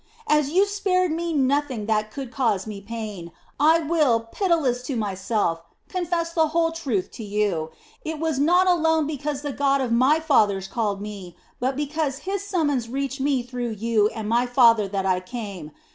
As you spared me nothing that could cause me pain, I will, pitiless to myself, confess the whole truth to you. It was not alone because the God of my fathers called me, but because His summons reached me through you and my father that I came.